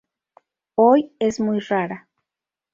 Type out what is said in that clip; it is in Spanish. Hoy es muy rara.